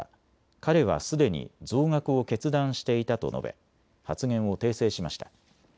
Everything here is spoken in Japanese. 彼はすでに増額を決断していたと述べ、発言を訂正しました。